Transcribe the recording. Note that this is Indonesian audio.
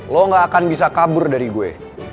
lo gak akan bisa kabur dari gue